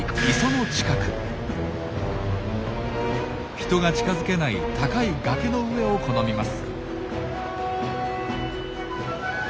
人が近づけない高い崖の上を好みます。